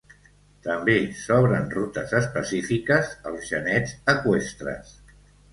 També s'obren rutes específiques als genets eqüestres.